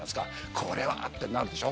これはってなるでしょ。